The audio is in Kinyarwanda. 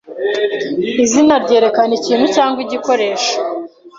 izina ryerekana ikintu cyangwa igikoresho